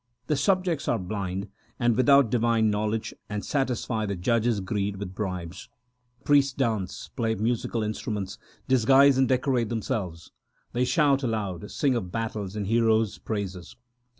The subjects are blind and without divine knowledge, and satisfy the judge s greed with bribes. ASA KI WAR 233 Priests dance, play musical instruments, disguise, and decorate themselves ; They shout aloud, sing of battles, and heroes praises.